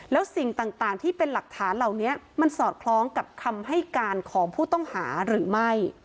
แล้วสิ่งต่างที่เป็นหลักฐานเหล่านี้มันสอดคล้องกับคำให้การของผู้ต้องหาหรือไม่